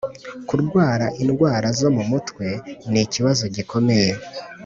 kurwara indwara zo mu mutwe ni ikibazo gikomeye